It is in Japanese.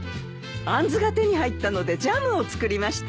アンズが手に入ったのでジャムを作りました。